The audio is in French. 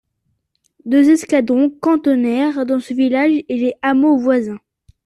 Deux escadrons cantonnèrent dans ce village et les hameaux voisins.